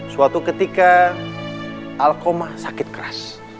suatu ketika alkoma sakit keras